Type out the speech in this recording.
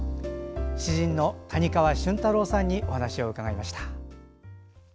詩人の谷川俊太郎さんにお話を伺いました。